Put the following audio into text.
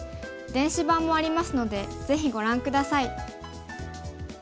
電子版もありますのでぜひご覧下さい。